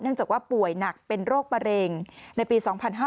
เนื่องจากว่าป่วยหนักเป็นโรคประเร็งในปี๒๕๖๐